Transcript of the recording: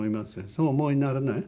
そうお思いにならない？